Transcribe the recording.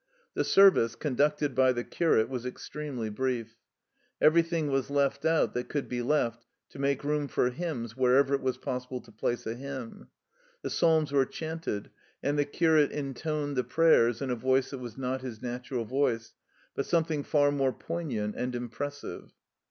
The service, conducted by the curate, was ex tremely brief. Everjrthing was left out that cotild be left, to make room for hymns wherever it was possible to place a hymn. The Psalms were chanted, and the curate intoned the Prayers in a voice that was not his natural voice, but something far more poignant and impressive.